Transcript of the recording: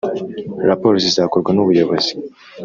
Raporo zizakorwa n ubuyobozi